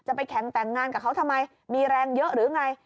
ไปแข่งแต่งงานกับเขาทำไมมีแรงเยอะหรือไง